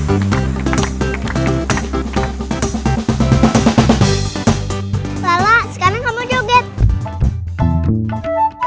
inilah ular yang baik hati dan cantik namanya lala